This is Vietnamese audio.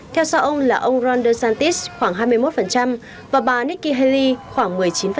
theo sau ông là ông ron desantis khoảng hai mươi một và bà nikki haley khoảng một mươi chín